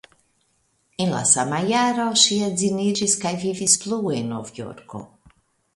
En la sama jaro ŝi edziniĝis kaj vivis plu en Novjorko.